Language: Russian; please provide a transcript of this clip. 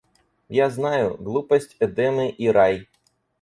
Я знаю: глупость – эдемы и рай!